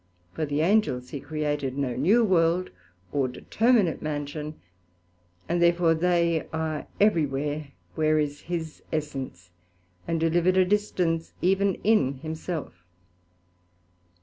For the Angels he created no new World, or determinate mansion, and therefore they are everywhere where is his Essence, and do live at a distance even in himself.